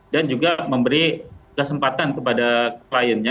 dan juga memberi kesempatan kepada kliennya